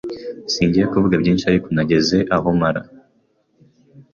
Singiye kuvuga byinshi ariko nageze ahomara